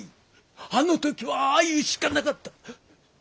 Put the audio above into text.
あのときはああ言うしかなかった。